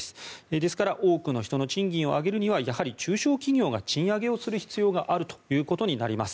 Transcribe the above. ですから多くの人の賃金を上げるにはやはり中小企業が賃上げをする必要があるということになります。